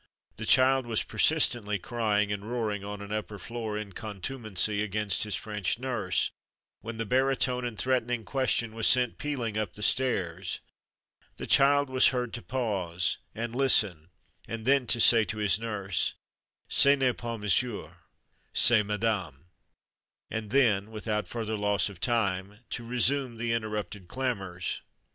The child was persistently crying and roaring on an upper floor, in contumacy against his French nurse, when the baritone and threatening question was sent pealing up the stairs. The child was heard to pause and listen and then to say to his nurse, "Ce n'est pas Monsieur; c'est Madame," and then, without further loss of time, to resume the interrupted clamours.